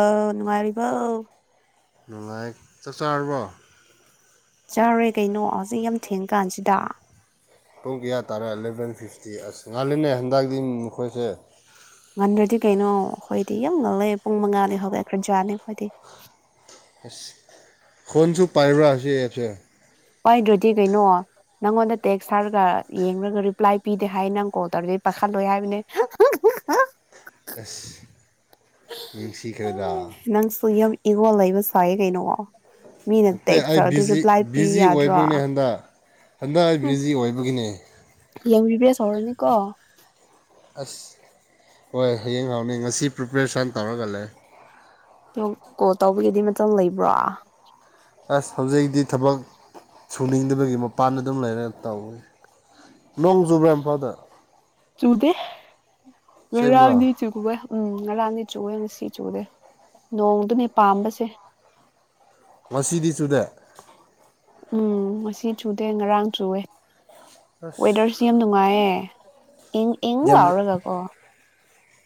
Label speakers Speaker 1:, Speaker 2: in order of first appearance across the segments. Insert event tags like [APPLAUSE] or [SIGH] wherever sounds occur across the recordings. Speaker 1: ꯑ ꯅꯨꯉꯥꯏꯔꯤꯕꯣ
Speaker 2: ꯅꯨꯡꯉꯥꯏ ꯆꯥꯛ ꯆꯥꯔꯕꯣ
Speaker 1: ꯆꯥꯔꯦ ꯀꯩꯅꯣ ꯍꯧꯖꯤꯛ ꯌꯥꯝ ꯊꯦꯡꯀꯥꯟꯁꯤꯗ
Speaker 2: ꯄꯨꯡ ꯀꯌꯥ ꯇꯥꯔꯦ ꯑꯦꯂꯚꯦꯟ ꯐꯤꯐꯇꯤ ꯑꯁ ꯉꯥꯜꯂꯤꯅꯦ ꯍꯟꯗꯛꯗꯤ ꯅꯈꯣꯏꯁꯦ
Speaker 1: ꯉꯟꯗ꯭ꯔꯗꯤ ꯀꯩꯅꯣ ꯑꯩꯈꯣꯏꯗꯤ ꯌꯥꯝ ꯉꯜꯂꯦ ꯄꯨꯡ ꯃꯉꯥꯅꯤ ꯍꯧꯒꯠꯈ꯭ꯔꯖꯥꯠꯅꯦ ꯑꯩꯈꯣꯏꯗꯤ
Speaker 2: ꯑꯁ ꯐꯣꯟꯁꯨ ꯄꯥꯏꯕ꯭ꯔꯥ ꯁꯤ ꯑꯦꯞꯁꯦ
Speaker 1: ꯄꯥꯏꯗ꯭ꯔꯗꯤ ꯀꯩꯅꯣ ꯅꯪꯉꯣꯟꯗ ꯇꯦꯛꯁ ꯊꯥꯔꯒ ꯌꯦꯡꯔꯒ ꯔꯤꯄ꯭ꯂꯥꯏ ꯄꯤꯗꯦ ꯍꯥꯏ ꯅꯪ ꯀꯣꯜ ꯇꯧꯔꯗꯤ ꯄꯥꯈꯠꯂꯣꯏ ꯍꯥꯏꯕꯅꯦ
Speaker 2: ꯑꯁ ꯅꯨꯡꯁꯤꯈ꯭ꯔꯦꯗ
Speaker 1: ꯅꯪꯁꯨ ꯌꯥꯝ ꯏꯒꯣꯜ ꯂꯩꯕꯁ ꯐꯥꯌꯦ ꯀꯩꯅꯣ ꯃꯤꯅ
Speaker 2: ꯅꯠꯇꯦ
Speaker 1: ꯇꯦꯛꯁ
Speaker 2: ꯑꯩ
Speaker 1: ꯇꯧꯔꯗꯤ
Speaker 2: ꯕꯤꯖꯤ
Speaker 1: ꯔꯤꯄ꯭ꯂꯥꯏ ꯄꯤꯌꯨ
Speaker 2: ꯕꯤꯖꯤ
Speaker 1: ꯌꯥꯗ꯭ꯔꯣ
Speaker 2: ꯑꯣꯏꯕꯅꯦ ꯍꯟꯗꯛ ꯍꯟꯗꯛ ꯑꯩ ꯕꯤꯖꯤ ꯑꯣꯏꯕꯒꯤꯅꯦ
Speaker 1: ꯍꯌꯦꯡ ꯔꯤꯕ꯭ꯔꯦꯁ ꯍꯧꯔꯅꯤꯀꯣ
Speaker 2: ꯑꯁ ꯍꯣꯏ ꯍꯌꯦꯡ ꯍꯥꯎꯅꯤ ꯉꯁꯤ ꯄ꯭ꯔꯤꯄꯦꯔꯦꯁꯟ ꯇꯧꯔꯒ ꯂꯩ
Speaker 1: ꯅꯪ ꯀꯣꯜ ꯇꯧꯕꯒꯤꯗꯤ ꯃꯇꯝ ꯂꯩꯕ꯭ꯔꯣ
Speaker 2: ꯑꯁ ꯍꯧꯖꯤꯛꯇꯤ ꯊꯕꯛ ꯁꯨꯅꯤꯡꯗꯕꯒꯤ ꯃꯄꯥꯟꯗ ꯑꯗꯨꯝ ꯂꯩꯔꯦ ꯇꯧꯋꯤ ꯅꯣꯡꯖꯨꯕ꯭ꯔ ꯏꯝꯐꯥꯜꯗ
Speaker 1: ꯆꯨꯗꯦ ꯉꯔꯥꯡꯗꯤ
Speaker 2: ꯑꯁꯦꯡꯕ꯭ꯔꯥ
Speaker 1: ꯆꯨꯋꯦ ꯎꯝ ꯉꯔꯥꯡꯅꯤ ꯆꯨꯋꯦ ꯉꯁꯤ ꯆꯨꯗꯦ ꯅꯣꯡꯗꯨꯅꯤ ꯄꯥꯝꯕꯁꯦ
Speaker 2: ꯉꯁꯤꯗꯤ ꯆꯨꯗꯦ
Speaker 1: ꯎꯝ ꯃꯁꯤ ꯆꯨꯗꯦ ꯉꯔꯥꯡ ꯆꯨꯋꯦ
Speaker 2: ꯑꯁ
Speaker 1: ꯋꯦꯗꯔꯁꯤ ꯌꯥꯝ ꯅꯨꯡꯉꯥꯏꯌꯦ ꯏꯡ ꯏꯡ
Speaker 2: ꯌꯥꯝ
Speaker 1: ꯂꯥꯎꯔꯒꯀꯣ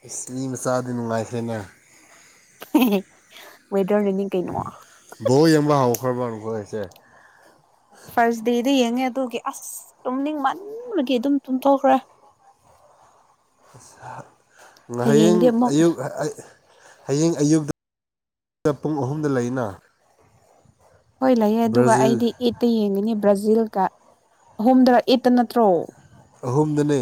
Speaker 2: ꯑꯁ ꯃꯤ ꯃꯆꯥꯗꯤ ꯅꯨꯡꯉꯥꯏꯈ꯭ꯔꯦꯅꯦ
Speaker 1: ꯋꯦꯗ ꯅꯤꯡ ꯀꯩꯩꯅꯅꯨꯡ
Speaker 2: ꯕꯣꯜ [UNINTELLIGIBLE]
Speaker 1: ꯐꯥꯔꯁ ꯗꯦꯗ ꯌꯦꯡꯉꯦ ꯑꯗꯨꯒꯤ ꯑꯁ ꯇꯨꯝꯅꯤꯡ ꯃꯟꯕꯒꯤ ꯑꯗꯨꯝ ꯇꯨꯝꯊꯣꯛꯈ꯭ꯔꯦ
Speaker 2: ꯑꯁ ꯍ ꯉ ꯍꯌꯦꯡ
Speaker 1: ꯍꯌꯦꯡꯗꯤ ꯑꯃꯨꯛ
Speaker 2: ꯑꯌꯨꯛ ꯍꯌꯦꯡ ꯑꯌꯨꯛꯇ ꯄꯨꯡ ꯑꯍꯨꯝꯗ ꯂꯩꯅ
Speaker 1: ꯍꯣꯏ ꯂꯩꯑꯦ ꯑꯗꯨꯒ
Speaker 2: ꯕ꯭ꯔꯥꯖꯤꯜ
Speaker 1: ꯑꯩꯗꯤ ꯑꯦꯠꯇ ꯌꯦꯡꯒꯅꯤ ꯕ꯭ꯔꯥꯖꯤꯜꯀ ꯑꯍꯨꯝꯗ ꯑꯦꯠꯇ ꯅꯠꯇ꯭ꯔꯣ
Speaker 2: ꯑꯍꯨꯝꯗꯅꯦ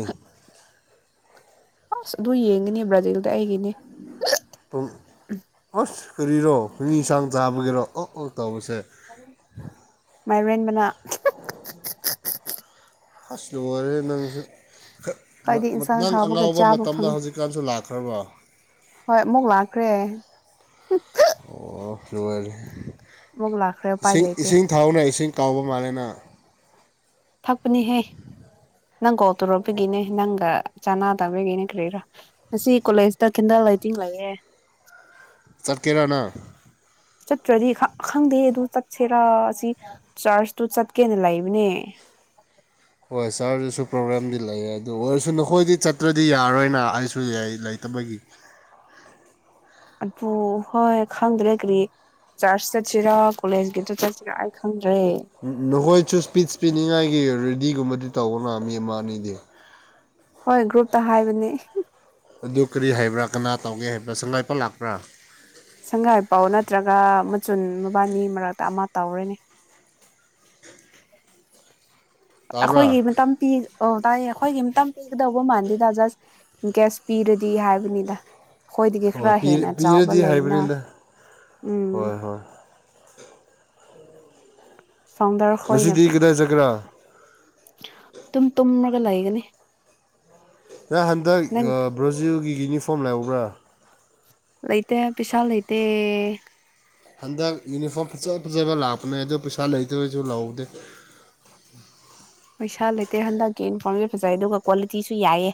Speaker 1: ꯑꯁ ꯑꯗꯨ ꯌꯦꯡꯒꯅꯤ ꯕ꯭ꯔꯥꯖꯤꯜꯗ ꯑꯩꯒꯤ
Speaker 2: ꯄꯨꯡ ꯑꯥꯁ ꯀꯔꯤꯔꯣ [UNINTELLIGIBLE] ꯆꯥꯡ ꯇꯥꯕꯒꯤꯔꯣ ꯑꯣꯛ ꯑꯣꯛ ꯇꯧꯕꯁꯦ
Speaker 1: ꯃꯥꯏꯔꯦꯅ ꯃꯅꯥ
Speaker 2: ꯍꯁ ꯂꯣꯏꯔꯦꯍꯦ ꯅꯪꯁꯨ ꯈ
Speaker 1: ꯈ꯭ꯋꯥꯏꯗꯤ
Speaker 2: ꯃ
Speaker 1: ꯏꯟꯁꯥꯡ
Speaker 2: ꯅꯪ
Speaker 1: ꯍꯥꯎꯕꯒ
Speaker 2: ꯑꯉꯥꯎꯕ
Speaker 1: ꯆꯥꯕ
Speaker 2: ꯃꯇꯝꯗ
Speaker 1: ꯐꯪ
Speaker 2: ꯍꯧꯖꯤꯛꯀꯥꯟꯁꯨ ꯂꯥꯛꯈ꯭ꯔꯕ
Speaker 1: ꯍꯣꯏ ꯑꯃꯨꯛ ꯂꯥꯛꯈ꯭ꯔꯦ
Speaker 2: ꯑꯣ ꯂꯣꯏꯔꯦ
Speaker 1: ꯑꯃꯨꯛ ꯂꯥꯛꯈ꯭ꯔꯦ ꯎꯄꯥꯏ
Speaker 2: ꯏꯁꯤꯡ
Speaker 1: ꯂꯩꯇꯦ
Speaker 2: ꯏꯁꯤꯡ ꯊꯥꯎꯅ ꯏꯁꯤꯡ ꯇꯥꯎꯕ ꯃꯥꯜꯂꯦ ꯅꯪ
Speaker 1: ꯊꯛ ꯄꯅꯤꯍꯦ ꯅꯪ ꯀꯣꯜ ꯇꯧꯔꯛꯄꯒꯤꯅꯦ ꯅꯪꯒ ꯆꯥꯅꯥ ꯇꯧꯔꯦꯒꯤꯅꯤ ꯀ꯭ꯔꯤꯔꯥ ꯉꯁꯤ ꯀꯣꯂꯦꯖꯇ ꯀꯦꯟꯗꯜ ꯂꯥꯏꯇꯤꯡ ꯂꯩꯌꯦ
Speaker 2: ꯆꯠꯀꯦꯔ ꯅꯪ
Speaker 1: ꯆꯠꯇ꯭ꯔꯗꯤ ꯈ ꯈꯪꯗꯦ ꯑꯗꯨ ꯆꯠꯁꯦꯔꯥ ꯑꯁꯤ ꯆꯥꯔꯁꯇꯨ ꯆꯠꯀꯦꯅ ꯂꯩꯕꯅꯦ
Speaker 2: ꯍꯣꯏ ꯁꯥꯔꯗꯨꯁꯨ ꯄ꯭ꯔꯣꯕ꯭ꯂꯦꯝꯗꯤ ꯂꯩ ꯑꯗꯨ ꯑꯣꯏꯔꯁꯨ ꯅꯈꯣꯏꯗꯤ ꯆꯠꯇ꯭ꯔꯗꯤ ꯌꯥꯔꯔꯣꯏꯅ ꯑꯩꯁꯨ ꯂꯩꯇꯕꯒꯤ
Speaker 1: ꯑꯗꯨ ꯍꯣꯏ ꯈꯪꯗ꯭ꯔꯦ ꯀꯔꯤ ꯆꯔꯆ ꯆꯠꯁꯤꯔꯥ ꯀꯣꯂꯦꯖ ꯒꯤꯇ ꯆꯠꯁꯤꯔꯥ ꯑꯩ ꯈꯪꯗ
Speaker 2: ꯅꯍꯣꯏ ꯆꯨꯁ ꯏꯁꯄꯤꯁ ꯄꯤꯅꯤꯉꯥꯏꯒꯤ ꯔꯦꯗꯤꯒꯨꯝꯕꯗꯤ ꯇꯧꯑꯣꯅ ꯃꯤ ꯑꯃ ꯑꯅꯤꯗꯤ
Speaker 1: ꯍꯣꯏ ꯒ꯭ꯔꯨꯨꯞꯇ ꯍꯥꯏꯕꯅꯦ
Speaker 2: ꯑꯗꯨ ꯀꯔꯤ ꯍꯥꯏꯕ꯭ꯔꯥ ꯀꯅꯥ ꯇꯧꯒꯦ ꯍꯥꯏꯕ꯭ꯔꯥ ꯁꯪ ꯂꯥꯏꯄ ꯂꯥꯛꯄ꯭ꯔꯥ
Speaker 1: ꯁꯪꯉꯥꯏ ꯄꯥꯎ ꯅꯠꯇ꯭ꯔꯒ ꯃꯆꯨꯟ ꯃꯕꯥꯅꯤ ꯃꯔꯛꯇ ꯑꯃ ꯇꯧꯔꯦꯅꯦ
Speaker 2: ꯇꯥꯕ꯭ꯔꯥ
Speaker 1: ꯑꯩꯈꯣꯏꯒꯤ ꯃꯇꯝ ꯄꯤ ꯑꯣ ꯇꯥꯏꯌꯦ ꯑꯩꯈꯣꯏꯒꯤ ꯑꯝꯇꯪ ꯄꯤꯒꯗꯧꯕ ꯃꯥꯟꯗꯦꯗ ꯖꯁ ꯒ꯭ꯌꯥꯁ ꯄꯤꯔꯗꯤ ꯗꯤ ꯍꯥꯏꯕꯅꯤꯗ ꯑꯩꯈꯣꯏꯗꯒꯤ
Speaker 2: ꯍꯣꯏ
Speaker 1: ꯈꯔ ꯍꯦꯟꯅ ꯆꯥꯎꯕ
Speaker 2: ꯄꯤꯔꯗꯤ
Speaker 1: ꯂꯩꯅ
Speaker 2: ꯍꯥꯏꯕꯅꯤꯗ
Speaker 1: ꯎꯝ
Speaker 2: ꯍꯣꯏ ꯍꯣꯏ
Speaker 1: ꯐꯥꯎꯟꯗꯔ ꯍꯣꯏꯅ
Speaker 2: ꯉꯁꯤꯗꯤ ꯀꯗꯥꯏ ꯆꯠꯀꯦꯔꯥ
Speaker 1: ꯑꯗꯨꯝ ꯇꯨꯝ ꯂꯩꯒꯅꯤ
Speaker 2: ꯅ ꯍꯟꯗꯛ
Speaker 1: ꯅꯪ
Speaker 2: ꯕ꯭ꯔꯣꯖꯤꯜꯒꯤ ꯌꯨꯅꯤꯐꯣꯝ ꯂꯩꯍꯧꯕ꯭ꯔꯥ
Speaker 1: ꯂꯩꯇ ꯄꯩꯁꯥ ꯂꯩꯇ
Speaker 2: ꯍꯟꯗꯛ ꯌꯨꯅꯤꯐꯣꯔꯝ ꯐꯖ ꯐꯖꯕ ꯂꯥꯛꯄꯅꯦ ꯑꯗꯨꯗꯣ ꯄꯩꯁꯥ ꯂꯩꯇ꯭ꯔꯁꯨ ꯂꯧꯍꯧꯗꯦ
Speaker 1: ꯄꯩꯁꯥ ꯂꯩꯇꯦ ꯍꯟꯗꯛꯀꯤ ꯏꯟꯐꯣꯔꯝꯁꯦ ꯐꯖꯩ ꯑꯗꯨꯒ ꯀ꯭ꯋꯥꯂꯤꯇꯤꯁꯨ ꯌꯥꯏꯑꯦ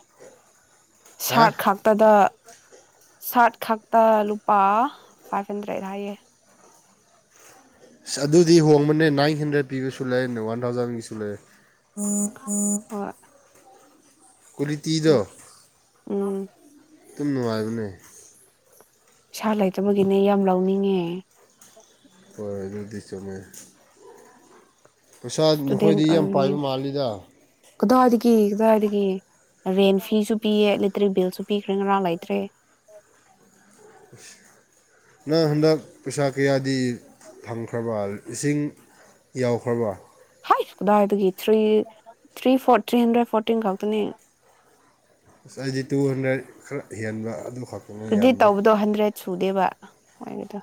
Speaker 2: ꯍꯥ
Speaker 1: ꯁꯥꯔꯠ ꯈꯥꯛꯛꯇꯗ ꯁꯥꯔꯠ ꯈꯛꯇ ꯂꯨꯄꯥ ꯐꯥꯏꯚ ꯍꯟꯗ꯭ꯔꯦꯗ ꯍꯥꯏꯌꯦ
Speaker 2: ꯑꯁ ꯑꯗꯨꯗꯤ ꯍꯣꯡꯕꯅꯦ ꯅꯥꯏꯟ ꯍꯟꯗ꯭ꯔꯦꯗ ꯄꯤꯕꯁꯨ ꯂꯩꯔꯦꯅꯦ ꯋꯥꯟ ꯊꯥꯎꯖꯟꯒꯤꯁꯨ ꯂꯩꯔꯦ [UNINTELLIGIBLE]
Speaker 1: ꯍꯣꯏ [UNINTELLIGIBLE] ꯎꯝ
Speaker 2: ꯑꯗꯨꯝ ꯅꯨꯡꯉꯥꯏꯕꯅꯦ
Speaker 1: ꯄꯩꯁꯥ ꯂꯩꯇꯕꯒꯤꯅꯦ ꯌꯥꯝ ꯂꯧꯅꯤꯡꯉꯦ
Speaker 2: ꯍꯣꯏ ꯑꯗꯨꯗꯤ ꯆꯨꯝꯃꯦ ꯄꯩꯁꯥ
Speaker 1: ꯏꯁꯇꯨꯗꯦꯟ
Speaker 2: ꯅꯈꯣꯏꯗꯤ ꯌꯥꯝ ꯄꯥꯏꯕ
Speaker 1: ꯑꯣꯏꯕꯅꯤꯅ
Speaker 2: ꯃꯥꯜꯂꯤꯗ
Speaker 1: ꯀꯗꯥꯏꯗꯒꯤ ꯀꯗꯥꯏꯗꯒꯤ ꯔꯦꯟ ꯐꯤꯁꯨ ꯄꯤꯌꯦ ꯏꯂꯦꯛꯇ꯭ꯔꯤꯛ ꯕꯤꯜꯁꯨ ꯄꯤꯈ꯭ꯔꯦ ꯉꯔꯥꯡ ꯂꯩꯇ꯭ꯔꯦ
Speaker 2: ꯅꯪ ꯍꯟꯗꯛ ꯄꯩꯁꯥ ꯀꯌꯥꯗꯤ ꯐꯪꯈ꯭ꯔꯕ ꯏꯁꯤꯡ ꯌꯥꯎꯈ꯭ꯔꯕ
Speaker 1: ꯍꯥꯏ ꯀꯗꯥꯏꯗꯒꯤ three three four three hundred fourteen ꯈꯛꯇꯅꯤ
Speaker 2: ꯑꯁ ꯑꯩꯗꯤ ꯇꯨ ꯍꯟꯗ꯭ꯔꯦꯠ ꯈꯔ ꯍꯦꯟꯕ ꯑꯗꯨꯝ
Speaker 1: ꯑꯗꯨꯗꯤ ꯇꯧꯕꯗꯣ ꯍꯟꯗ꯭ꯔꯦꯠ ꯁꯨꯗꯦꯕ ꯃꯣꯏꯅꯤꯗꯣ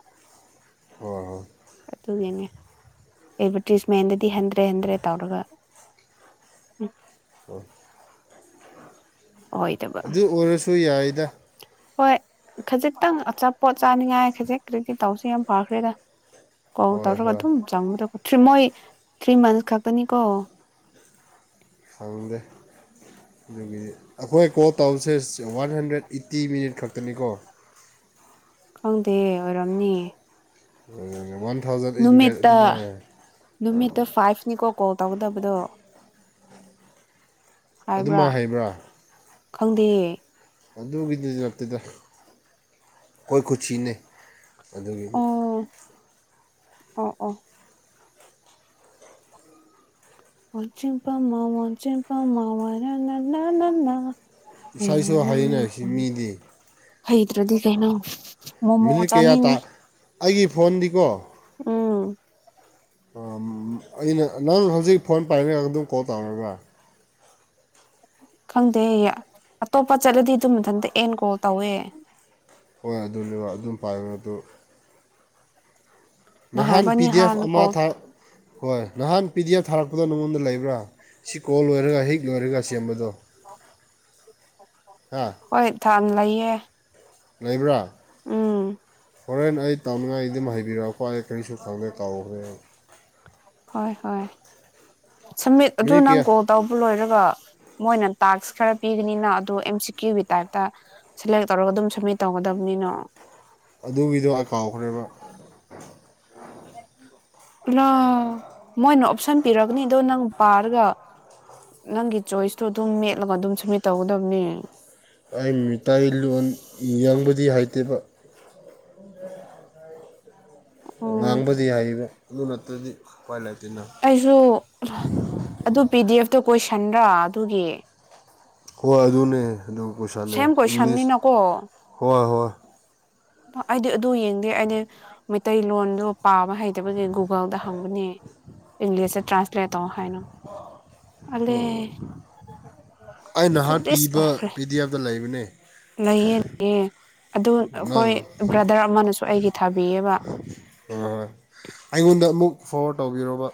Speaker 2: ꯍꯣꯏ ꯍꯣꯏ
Speaker 1: ꯑꯠꯇꯗꯤꯅꯦ ꯑꯦꯠꯚꯔꯇꯤꯁꯃꯦꯟꯗꯗꯤ ꯍꯟꯗ꯭ꯔꯦ ꯍꯟꯗ꯭ꯔꯦ ꯇꯧꯔꯒ ꯎꯝ
Speaker 2: ꯑꯣ
Speaker 1: ꯑꯣꯏꯗꯕ
Speaker 2: ꯑꯗꯨ ꯑꯣꯏꯔꯁꯨ ꯌꯥꯏꯗ
Speaker 1: ꯍꯣꯏ ꯈꯖꯤꯛꯇꯪ ꯑꯆꯥꯄꯣꯠ ꯆꯥꯅꯤꯡꯉꯥꯏ ꯈꯖꯤꯛ ꯀꯗꯤ ꯇꯧꯁꯨ ꯌꯥꯝ ꯐꯈ꯭ꯔꯦꯗ ꯀꯣ
Speaker 2: ꯍꯣꯏ
Speaker 1: ꯇꯔ ꯀ
Speaker 2: ꯍꯣꯏ
Speaker 1: ꯆꯃꯨꯗ ꯀ ꯊ꯭ꯔꯤ ꯃꯣꯏ ꯊ꯭ꯔꯤ ꯃꯟꯁ ꯈꯛꯇꯅꯤꯀꯣ
Speaker 2: ꯐꯪꯗꯦ ꯑꯗꯨꯒꯤ ꯑꯩꯈꯣꯏ ꯀꯣ ꯇꯥꯎꯟꯁꯦ ꯋꯥꯟ ꯍꯟꯗ꯭ꯔꯦꯠ ꯑꯩꯠꯇꯤ ꯃꯤꯅꯤꯠ ꯈꯛꯇ ꯄꯅꯤꯒꯣ
Speaker 1: ꯈꯪꯗꯦ ꯑꯣꯏꯔꯝꯅꯤ
Speaker 2: ꯎ ꯋꯥꯟ ꯊꯥꯎꯖꯟ ꯑꯩꯠ ꯍꯟꯗ꯭ꯔꯦꯠ
Speaker 1: ꯅꯨꯃꯤꯠꯇ
Speaker 2: ꯑꯗꯨꯃꯥꯏꯅ
Speaker 1: ꯅꯨꯃꯤꯠꯇ ꯐꯥꯏꯚꯅꯤ ꯀ ꯀꯣꯜ ꯇꯧꯒꯗꯕꯗꯣ
Speaker 2: ꯑꯗꯨꯃꯥꯏꯅ ꯍꯥꯏꯕ꯭ꯔꯥ
Speaker 1: ꯈꯪꯗꯦꯦ
Speaker 2: ꯑꯗꯨꯒꯤꯗꯨꯃꯛꯇꯗ ꯑꯩꯈꯣꯏ ꯀꯨꯁꯤꯅꯦꯩ ꯑꯗꯨꯒꯤ
Speaker 1: ꯑ ꯑ ꯑꯣꯖꯦꯄꯥꯃ ꯑꯣꯖꯤꯟ ꯄꯃ ꯋꯥꯔ ꯅ ꯅꯅꯥ
Speaker 2: ꯏꯁꯥ ꯏꯁ ꯍꯥꯏꯌꯦꯅ ꯁꯤ ꯃꯤꯗꯤ
Speaker 1: ꯍꯩꯇ꯭ꯔꯗꯤ ꯀꯩꯅꯣ ꯃꯣꯃꯣ
Speaker 2: ꯃꯤꯅꯤꯠ ꯀꯌꯥ ꯇꯥ
Speaker 1: ꯆꯥꯅꯤꯡꯉꯤ
Speaker 2: ꯑꯩꯒꯤ ꯐꯣꯟꯗꯤꯀꯣ
Speaker 1: [UNINTELLIGIBLE]
Speaker 2: ꯑꯩꯅ ꯅꯪ ꯍꯧꯖꯤꯛ ꯐꯣꯟ ꯄꯥꯏꯔꯒ ꯑꯗꯨꯝ ꯀꯣꯜ ꯇꯧꯔꯒ
Speaker 1: ꯈꯪꯗꯦ ꯑꯇꯣꯞꯄ ꯆꯠꯂꯗꯤ ꯑꯗꯨ ꯃꯊꯟꯇ ꯑꯦꯟ ꯀꯣꯜ ꯇꯧꯋꯦ
Speaker 2: ꯍꯣꯏ ꯑꯗꯨꯝ ꯄꯥꯏꯕ ꯑꯗꯨ ꯅꯍꯥꯟ ꯄꯤ
Speaker 1: ꯅꯍꯥꯟꯕꯅꯤ
Speaker 2: ꯗꯤ ꯑꯦꯐ
Speaker 1: ꯍꯥꯟꯅ
Speaker 2: ꯑꯃ
Speaker 1: ꯀꯣꯜ
Speaker 2: ꯍꯣꯏ ꯅꯍꯥꯟ ꯄꯤ ꯗꯤ ꯑꯦꯐ ꯊꯥꯔꯛꯄ ꯈꯨꯗꯣ ꯃꯉꯣꯟꯗ ꯂꯩꯕ꯭ꯔꯥ ꯁꯤ ꯀꯣꯜ ꯂꯣꯏꯔꯒ ꯍꯤꯛ ꯂꯣꯏꯔꯒ ꯁꯦꯝꯕꯗꯣ ꯍꯥ
Speaker 1: ꯍꯣꯏ ꯊꯥꯟ
Speaker 2: ꯂꯩꯕ꯭ꯔꯥ
Speaker 1: ꯑꯥ
Speaker 2: ꯐꯣꯔꯦꯟ ꯑꯩꯠ ꯇꯥꯎꯅꯤꯡꯉꯥꯏꯒꯤ ꯑꯗꯨꯝ ꯍꯥꯏꯕꯤꯔꯛꯑꯣꯀꯣ ꯑꯩ ꯀꯔꯤꯁꯨ ꯈꯪꯗꯦ ꯀꯥꯎꯈ꯭ꯔꯦ
Speaker 1: ꯍꯣꯏ ꯍꯣꯏ ꯁꯃꯤꯠ ꯑꯗꯨ
Speaker 2: ꯃꯤ
Speaker 1: ꯅꯪ
Speaker 2: ꯀꯌꯥ
Speaker 1: ꯀꯣꯜ ꯇꯧꯕ ꯂꯣꯏꯔ ꯑꯗꯨꯒ ꯃꯣꯏꯅ ꯇꯥꯛꯁ ꯈꯔ ꯄꯤꯒꯅꯤꯅ ꯑꯗꯨ ꯑꯦꯝ ꯁꯤ ꯀ꯭ꯌꯨꯒꯤ ꯇꯥꯏꯞꯇ ꯁꯦꯂꯦꯛ ꯇꯧꯔꯒ ꯑꯗꯨꯝ ꯁꯝꯃꯤꯠ ꯇꯧꯒꯗꯕꯅꯤꯅꯣ
Speaker 2: ꯑꯗꯨꯒꯤꯗꯣ ꯑ ꯀꯥꯎꯈ꯭ꯔꯦꯕ
Speaker 1: ꯂ ꯃꯣꯏ ꯍꯥꯞꯁꯟꯕꯤꯔꯒꯅꯤ ꯑꯗꯣ ꯅꯪ ꯄꯥꯔꯒ ꯅꯪꯒꯤ ꯆꯣꯏꯁꯇꯣ ꯑꯗꯨꯝ ꯃꯦꯠꯂꯒ ꯑꯗꯨꯝ ꯁꯝꯃꯤꯠ ꯇꯧꯒꯗꯕꯅꯤ
Speaker 2: ꯑꯩ ꯃꯤꯇꯥꯏ ꯂꯣꯟ ꯌꯦꯡꯕ ꯗꯤ ꯍꯥꯏꯇꯦꯕ
Speaker 1: ꯑꯣ
Speaker 2: ꯉꯥꯡꯕꯗꯤ ꯍꯥꯏꯌꯦꯕ ꯃꯅꯠꯇꯗꯤ ꯀꯋꯥꯂꯦ
Speaker 1: ꯑꯩꯁꯨ ꯑꯗꯨ ꯄꯤꯗꯤ ꯑꯦꯐ ꯇ ꯀꯣꯏꯁꯟ꯭ꯔ ꯑꯗꯨꯒꯤ
Speaker 2: ꯍ ꯑꯗꯨ ꯑꯗꯨꯅꯦ ꯑꯗꯨꯗꯣꯛ ꯄꯩꯁꯥꯅꯦ
Speaker 1: ꯁꯦꯝ
Speaker 2: ꯏꯪꯂꯤꯁ
Speaker 1: ꯀꯣꯏꯁꯟꯅꯤꯅꯀꯣ
Speaker 2: ꯍꯣꯏ ꯍꯣꯏ
Speaker 1: ꯑꯩꯗꯤ ꯑꯗꯨ ꯌꯦꯡꯗꯦ ꯑꯩꯗꯤ ꯃꯩꯇꯩꯂꯣꯟꯗꯣ ꯄꯥꯕ ꯍꯩꯇꯕꯒꯤ ꯒꯨꯒꯜꯗ ꯍꯪꯕꯅꯦ ꯏꯪꯂꯤꯁꯇ ꯇ꯭ꯔꯥꯟꯁꯂꯦꯠ ꯇꯧ ꯍꯥꯏꯅ ꯑꯂꯦ
Speaker 2: ꯑꯣ ꯑꯩ ꯅꯍꯥꯟ
Speaker 1: ꯐꯨꯗꯤꯁ
Speaker 2: ꯄꯤꯕ
Speaker 1: ꯑꯣꯏꯈ꯭ꯔꯦ
Speaker 2: ꯄꯤ ꯗꯤ ꯑꯦꯐꯇ ꯂꯩꯕꯅꯦ
Speaker 1: ꯂꯩꯌꯦ ꯂꯩꯌꯦ ꯑꯗꯨ
Speaker 2: ꯅꯪ
Speaker 1: ꯑꯩꯈꯣꯏ ꯕ꯭ꯔꯗꯔ ꯑꯃꯅꯁꯨ ꯑꯩꯒꯤ ꯊꯥꯕꯤꯌꯦꯕ
Speaker 2: ꯑꯩꯉꯣꯟꯗ ꯑꯃꯨꯛ ꯐꯣꯔꯋꯥꯔꯗ ꯇꯧꯕꯤꯔꯣꯔꯕ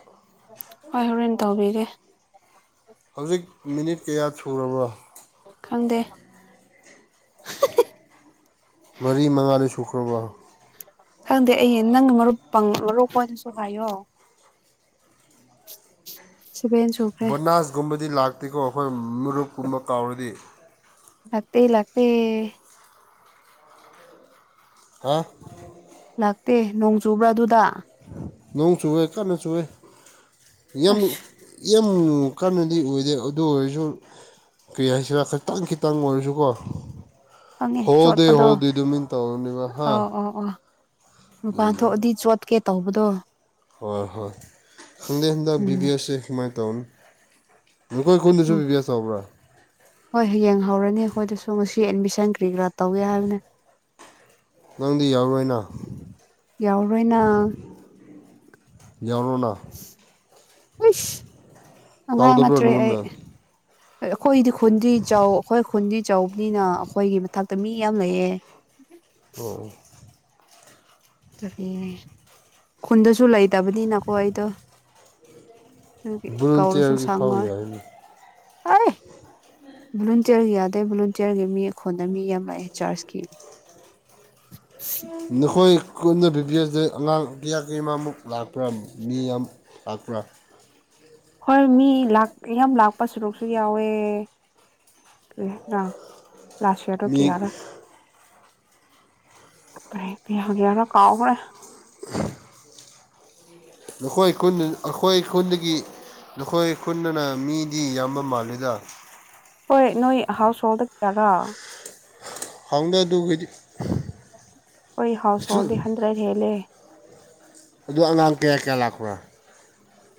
Speaker 1: ꯍꯣꯏ ꯍꯣꯔꯦꯟ ꯇꯧꯕꯤꯒꯦ
Speaker 2: ꯍꯧꯖꯤꯛ ꯃꯤꯅꯤꯠ ꯀꯌꯥ ꯁꯨꯔꯕ
Speaker 1: ꯈꯪꯗꯦ
Speaker 2: ꯃꯔꯤ ꯃꯉꯥꯅꯤ ꯁꯨꯈ꯭ꯔꯕ꯭ꯔꯣ
Speaker 1: ꯈꯪꯗꯦ ꯑꯩ ꯅꯪ ꯃꯔꯨꯞ ꯄꯪꯂ ꯂꯧꯔꯛꯄꯅꯁꯨ ꯍꯥꯏꯌꯣ ꯁꯚꯦꯟ ꯁꯨꯈ꯭ꯔꯦ
Speaker 2: ꯕꯣꯅꯥꯁꯒꯨꯝꯕꯗꯤ ꯂꯥꯛꯇ꯭ꯀꯣ ꯑꯩꯈꯣꯏ ꯃꯔꯨꯞꯀꯨꯝꯕ ꯀꯥꯎꯔꯗꯤ
Speaker 1: ꯂꯥꯛꯇ ꯂꯥꯛꯇ
Speaker 2: ꯍꯥ
Speaker 1: ꯗꯦ ꯅꯣꯡ ꯆꯨꯕ꯭ꯔꯥ ꯑꯗꯨꯗ
Speaker 2: ꯅꯣꯡ ꯆꯨꯋꯦ ꯀꯥꯟꯅ ꯆꯨꯋꯦ ꯌ
Speaker 1: ꯑꯁ
Speaker 2: ꯌꯥꯝ ꯀꯥꯟꯅꯗꯤ ꯑꯣꯏꯗꯦ ꯑꯗꯨ ꯑꯣꯏꯔꯁꯨ ꯀꯔꯤ ꯍꯥꯏꯁꯤꯔ ꯈꯈꯤꯇꯪ ꯈꯤꯇꯪ ꯑꯣꯏꯔꯁꯨꯀꯣ
Speaker 1: ꯈꯪꯉꯦ
Speaker 2: ꯍꯗꯦ
Speaker 1: ꯆꯣꯠꯄꯗꯣ
Speaker 2: ꯍꯗ ꯑꯗꯨ ꯃꯤ ꯇꯧꯅꯤꯕ ꯍꯥ
Speaker 1: ꯃꯄꯥꯥꯟꯊꯣ ꯑꯗꯨꯗꯤ ꯆꯣꯠ ꯀꯦ ꯇꯧꯕꯗꯣ
Speaker 2: ꯍꯣꯏ ꯍꯣꯏ ꯁꯗꯦ ꯍꯗ
Speaker 1: ꯎꯝ
Speaker 2: ꯕꯤꯕꯤꯁꯦ ꯍꯃ ꯗꯟ ꯑꯩꯣꯏ ꯀꯨꯟꯅꯤꯁꯨ ꯄꯤꯕꯤ ꯆꯥꯎꯕ꯭ꯔꯥ
Speaker 1: ꯁꯤ ꯑꯦꯗꯃꯤꯁꯟ ꯀ꯭ꯔꯤ ꯀ꯭ꯔꯥ ꯇꯧꯒꯦ ꯍꯥꯏꯕꯅꯦ
Speaker 2: ꯅꯪꯗꯤ ꯌꯥꯎꯔꯣꯏ ꯑꯣꯏꯅ
Speaker 1: ꯌꯥꯎꯔꯣꯏꯅ
Speaker 2: ꯌꯥꯎꯔꯣꯅ
Speaker 1: ꯍꯣꯏꯁ ꯑꯉꯥꯡ
Speaker 2: ꯇꯧꯗꯕ꯭ꯔꯣ
Speaker 1: ꯅꯠꯇ꯭ꯔꯦ ꯑꯩ
Speaker 2: ꯅꯉꯣꯟꯗ
Speaker 1: ꯑꯩꯈꯣꯏꯗꯤ ꯈꯨꯟꯗꯤ ꯆꯥꯎ ꯑꯩꯈꯣꯏ ꯈꯨꯟꯗꯤ ꯆꯥꯎꯕꯅꯤꯅ ꯑꯩꯈꯣꯏꯒꯤ ꯃꯊꯛꯇ ꯃꯤ ꯌꯥꯝꯅꯑꯦ
Speaker 2: ꯑꯣ
Speaker 1: ꯀꯔꯤ ꯈꯨꯟꯗꯁꯨ ꯂꯩꯇꯕꯅꯤꯅꯀꯣ ꯑꯩꯗꯣ ꯑꯗꯨꯒꯤ
Speaker 2: ꯔꯟꯇꯤꯌꯥꯔꯒꯤ ꯐꯥꯎ ꯌꯥ ꯍꯥꯏꯅꯤ
Speaker 1: ꯑ ꯕ꯭ꯂꯨꯟꯇꯤꯌꯔ ꯌꯥꯗꯦ ꯕ꯭ꯂꯨꯟꯇꯤꯌꯔꯒꯤ ꯃꯤ ꯑꯩꯈꯣꯟꯗ ꯃꯤ ꯌꯥꯝ ꯂꯥꯛꯑꯦ ꯆꯥꯔꯖꯀꯤꯅꯤ
Speaker 2: ꯅꯈꯣꯏ ꯀꯨꯅ ꯄꯤꯕꯤꯔꯩ ꯑꯉꯥꯡ ꯀꯌꯥ ꯀꯌꯥ ꯑꯃꯃꯨꯛ ꯂꯥꯛꯄ꯭ꯔꯥ ꯃꯤ ꯑꯃ ꯂꯥꯛꯄ꯭ꯔꯥ
Speaker 1: ꯍꯣꯏ ꯃꯤ ꯌꯥꯝ ꯂꯥꯛꯄ ꯁꯔꯨꯛꯁꯨ ꯌꯥꯎꯋꯦ ꯀ ꯂꯥꯁ ꯌꯔ ꯇꯣ
Speaker 2: ꯃꯤ
Speaker 1: ꯀ ꯌꯥꯔ ꯒꯅ ꯀꯥꯎꯥꯎꯕꯅꯦ
Speaker 2: ꯅꯈꯣꯏ ꯈꯨ ꯑꯩꯈꯣꯏ ꯈꯨꯟꯗꯒꯤ ꯅꯈꯣꯏ ꯈꯨꯟꯗꯅ ꯃꯤꯗꯤ ꯌꯥꯝꯕ ꯃꯥꯜꯂꯤꯗ
Speaker 1: ꯍꯣꯏ ꯅꯣꯏ ꯍꯥꯎꯁ ꯍꯣꯜꯗ ꯀꯌꯥꯔꯥ
Speaker 2: ꯍꯪꯗ ꯑꯗꯨꯒꯒꯤꯗꯤ
Speaker 1: ꯑꯩꯣꯏ ꯍꯥꯎꯁꯥꯎꯗꯤ ꯍꯟꯗ꯭ꯔ ꯍꯦ ꯂꯩꯦ
Speaker 2: ꯑꯗꯣ ꯑꯉꯥꯡ ꯀꯌꯥ ꯀꯌꯥ ꯂꯥꯛꯄ꯭ꯔꯣ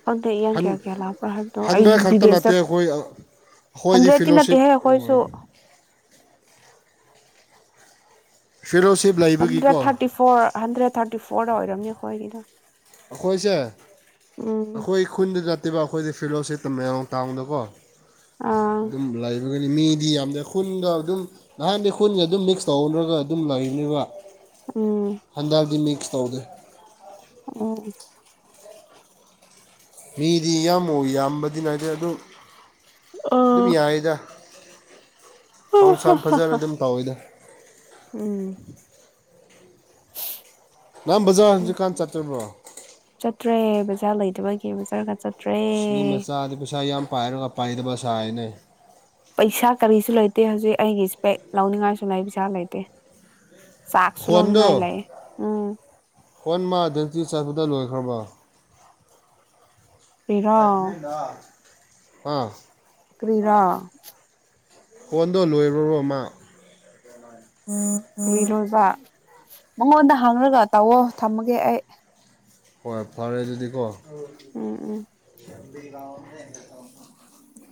Speaker 1: ꯑꯗꯨꯗꯦ ꯏꯡ ꯀꯌꯥ ꯀꯌꯥ ꯂꯥꯛꯄ꯭ꯔꯥ ꯍꯥꯏꯕꯗꯣ ꯑꯩꯁꯨ
Speaker 2: ꯍꯟꯗ꯭ꯔꯦꯠ ꯈꯛꯇ
Speaker 1: ꯕꯤꯕꯦ
Speaker 2: ꯅꯠꯇꯦ
Speaker 1: ꯆꯠ
Speaker 2: ꯑꯩꯈꯣꯏ ꯑꯩꯈꯣꯏꯗꯤ
Speaker 1: ꯍꯟꯗ꯭ꯔꯦꯠꯇꯤ
Speaker 2: ꯐꯤꯂꯣꯁꯤꯞ
Speaker 1: ꯅꯠꯇꯦꯍꯦ ꯑꯩꯈꯣꯏꯁꯨ
Speaker 2: ꯐꯦꯂꯣꯁꯤꯞ
Speaker 1: ꯍꯟꯗ꯭ꯔꯦꯠ
Speaker 2: ꯂꯩꯕꯒꯤꯀꯣ
Speaker 1: ꯊꯥꯔꯇꯤ ꯐꯣꯔ ꯍꯟꯗ꯭ꯔꯦꯠ ꯊꯥꯔꯇꯤ ꯐꯣꯔꯗ ꯑꯣꯏꯔꯝꯨ ꯑꯣꯏꯈꯣꯏꯒꯤꯗꯣ
Speaker 2: ꯑꯩꯈꯣꯏꯁꯦ ꯑꯩꯈꯣꯏ ꯈꯨꯟꯗ ꯅꯠꯇꯦꯕ ꯑꯩꯈꯣꯏꯗꯤ ꯐꯤꯔꯂꯣꯁꯤ ꯇꯃꯦꯡꯂꯣꯡ ꯇꯥꯎꯟꯗꯀꯣ
Speaker 1: ꯑꯥ
Speaker 2: ꯝ ꯂꯥꯏꯚ ꯑꯗꯨꯒꯗꯤ ꯃꯤꯗꯤ ꯌꯥꯝꯅ ꯈꯨꯟꯒ ꯑꯗꯨꯝ ꯅꯍꯥꯟꯗꯤ ꯈꯨꯟꯒ ꯑꯗꯨꯝ ꯃꯤꯛꯁ ꯇꯧꯅꯔꯒ ꯑꯗꯨꯝ ꯂꯩꯅꯦꯕ
Speaker 1: ꯎꯝ
Speaker 2: ꯍꯟꯗꯔꯗꯤ ꯃꯤꯛꯁ ꯇꯒꯦ
Speaker 1: ꯑꯣ
Speaker 2: ꯃꯤꯗꯤ ꯌꯥꯝꯌꯥꯝꯃꯨ ꯌꯥꯝꯕꯗꯤ ꯅꯥꯗꯦ ꯑꯗꯨ ꯑꯗꯨꯝ
Speaker 1: ꯑ
Speaker 2: ꯌꯥꯏꯗ [UNINTELLIGIBLE] ꯄꯥꯎꯁꯥꯟ ꯐꯖꯅ ꯑꯗꯨꯝ ꯇꯧꯋꯦꯗ
Speaker 1: ꯎꯝ
Speaker 2: ꯕꯖꯥꯔ
Speaker 1: ꯎ
Speaker 2: ꯍꯧꯖꯤꯛꯀꯥꯟ ꯆꯠꯇ꯭ꯔꯕ꯭ꯔꯣ
Speaker 1: ꯆꯠꯇ꯭ꯔꯦ ꯕꯖꯥꯔ ꯂꯩꯗꯕꯒꯤ ꯕꯖꯥꯔꯒ ꯆꯠꯇ꯭ꯔꯦ
Speaker 2: ꯁ ꯃꯁꯥ ꯑ ꯑꯗꯨ ꯄꯁꯥ ꯌꯥꯝ ꯄꯥꯏꯔꯒ ꯄꯥꯏꯗꯕꯁꯥꯏ ꯌꯦꯅꯦ
Speaker 1: ꯄꯦꯛ ꯂꯧꯅꯤꯡꯉꯥꯏꯁꯨ ꯂꯩ ꯄꯁꯥ ꯂꯩꯇꯦ ꯆꯥꯛꯁꯨ
Speaker 2: ꯍꯣꯟꯗꯣ
Speaker 1: ꯂꯧꯅꯤꯡꯉꯥꯏ ꯂꯩ ꯎꯝ
Speaker 2: [UNINTELLIGIBLE]
Speaker 1: ꯀ꯭ꯔꯤꯔꯣ
Speaker 2: [UNINTELLIGIBLE] ꯑꯥ
Speaker 1: ꯀꯔꯤꯔꯥ
Speaker 2: ꯐꯣꯟꯗꯣ ꯂꯣꯏꯔꯨꯔꯣꯃ ꯎꯝ
Speaker 1: ꯀ꯭ꯔꯤ
Speaker 2: ꯎꯝ
Speaker 1: ꯂꯣꯏꯕ ꯃꯉꯣꯟꯗ ꯍꯥꯡꯉꯒ ꯇꯧꯑꯣ ꯊꯝꯃꯒꯦ ꯑꯩ
Speaker 2: ꯍꯣꯏ ꯐꯔꯦ ꯑꯗꯨꯗꯤꯀꯣ
Speaker 1: ꯎꯝ ꯎꯝ
Speaker 2: [UNINTELLIGIBLE]